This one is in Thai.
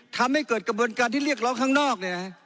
ทำให้เกิดกระบวนการที่เรียกเราข้างนอก